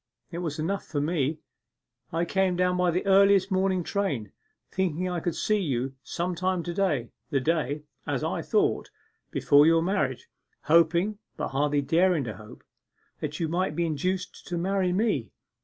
It was enough for me I came down by the earliest morning train, thinking I could see you some time to day, the day, as I thought, before your marriage, hoping, but hardly daring to hope, that you might be induced to marry me.